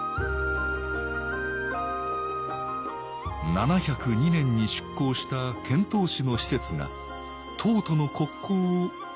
７０２年に出航した遣唐使の使節が唐との国交を復活させたのです